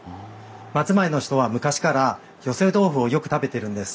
松前の人は昔から寄せ豆腐をよく食べてるんです。